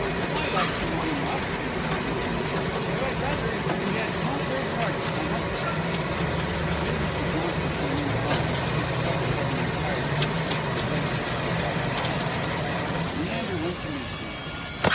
"I like him well enough," he returned, with an effort; "but I'd rather we had no third parties, I must say." Here Mr. Jauncy came in alone, Miss Tweddle having retired to assist the lady to take off her bonnet. Leander went to meet him.